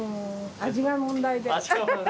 味が問題ですか。